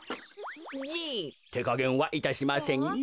じい？てかげんはいたしませんよ。